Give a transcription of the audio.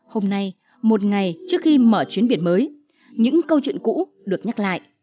hôm nay một ngày trước khi mở chuyến biển mới những câu chuyện cũ được nhắc lại